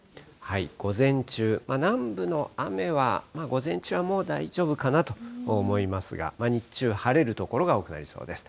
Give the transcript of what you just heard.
午前中、南部の雨は、午前中はもう大丈夫かなと思いますが、日中、晴れる所が多くなりそうです。